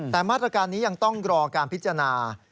แต่มาตรการนี้ยังต้องรอการพิจารณา